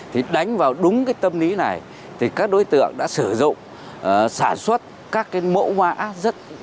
thì đánh vào đúng cái tâm lý này thì các đối tượng đã sử dụng sản xuất các cái mẫu mã rất